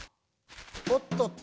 おっとっと。